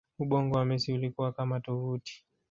ubongo wa Messi ulikuwa kama tovuti